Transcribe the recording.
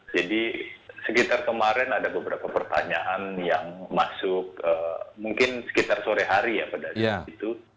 jadi sekitar kemarin ada beberapa pertanyaan yang masuk mungkin sekitar sore hari ya pada saat itu